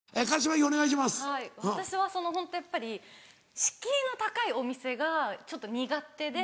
はい私はホントやっぱり敷居の高いお店がちょっと苦手で。